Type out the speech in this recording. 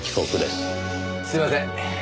すいません。